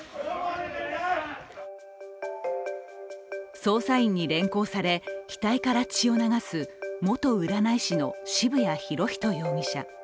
捜査員に連行され、額から血を流す元占い師の渋谷博仁容疑者。